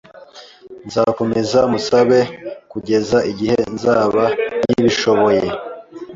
Nzakomeza musabe'kugeza igihe nzaba nkibishoboye